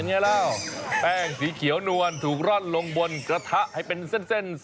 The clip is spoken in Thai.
ลากลับบ้านไปอะไรอย่างเงี้ย